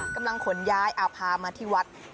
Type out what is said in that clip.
กำลังขนย้ายพามาที่วัด